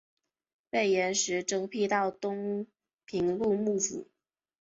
被严实征辟到东平路幕府。